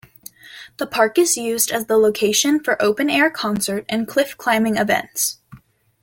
The park is used as the location for open-air concerts and cliff-climbing events.